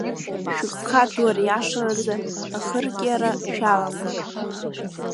Шәыгха ду ариашаразы ахырқьиара шәаламган!